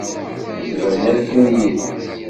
Zemren ad ddun yid-s.